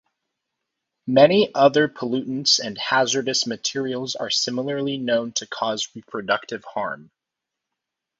Many other pollutants and hazardous materials are similarly known to cause reproductive harm.